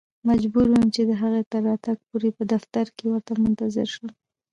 مجبور وم چې د هغې تر راتګ پورې په دفتر کې ورته منتظر شم.